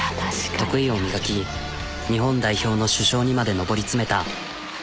得意を磨き日本代表の主将にまで上り詰めた。